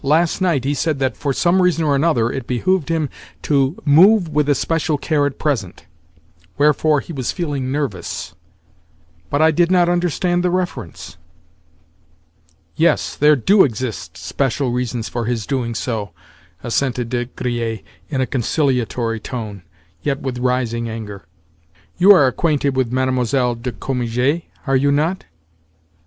Last night he said that, for some reason or another, it behoved him to 'move with especial care at present;' wherefore, he was feeling nervous. But I did not understand the reference." "Yes, there do exist special reasons for his doing so," assented De Griers in a conciliatory tone, yet with rising anger. "You are acquainted with Mlle. de Cominges, are you not?"